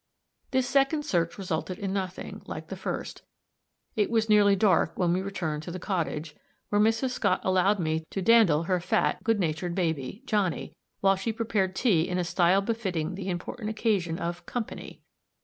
This second search resulted in nothing, like the first. It was nearly dark when we returned to the cottage, where Mrs. Scott allowed me to dandle her fat, good natured baby, Johnny, while she prepared tea in a style befitting the important occasion of "company."